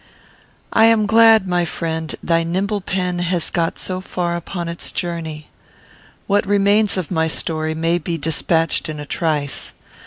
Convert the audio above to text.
I am glad, my friend, thy nimble pen has got so far upon its journey. What remains of my story may be despatched in a trice.